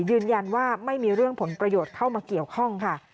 ยืนยันว่าไม่มีเรื่องผลประโยชน์เข้ามาเกี่ยวข้องค่ะ